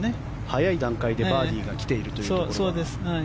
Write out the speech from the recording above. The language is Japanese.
早い段階でバーディーが来ているというところは。